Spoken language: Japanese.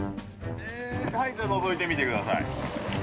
◆のぞいてみてください。